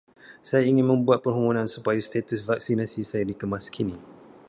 Saya ingin membuat permohonan supaya status vaksinasi saya dikemaskini.